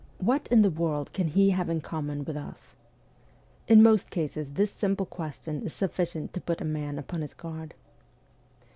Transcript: What in the world can he have in common with us ?' In most cases this simple question is sufficient to put a man upon his guard.